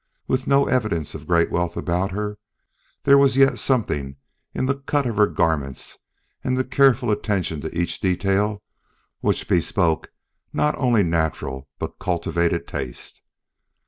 With no evidences of great wealth about her, there was yet something in the cut of her garments and the careful attention to each detail which bespoke not only natural but cultivated taste.